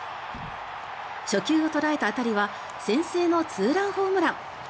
初球を捉えた当たりは先制のツーランホームラン。